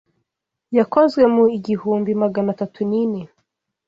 Yakozwe mu ihigumbi Magana atatu nine